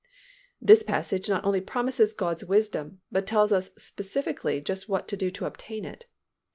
This passage not only promises God's wisdom but tells us specifically just what to do to obtain it.